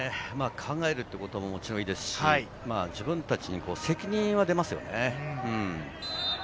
考えるということももちろんいいですし、自分たちに責任が出ますよね。